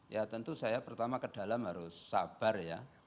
ya tentu saya pertama ke dalam harus sabar ya